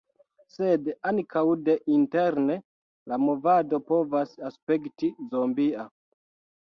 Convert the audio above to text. Sed ankaŭ deinterne la movado povas aspekti zombia.